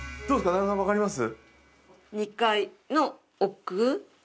奈良さん分かります？